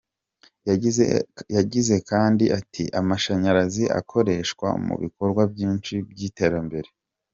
Yagize kandi ati :"Amashanyarazi akoreshwa mu bikorwa byinshi by’iterambere.